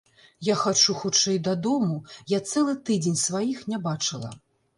Я хачу хутчэй дадому, я цэлы тыдзень сваіх не бачыла.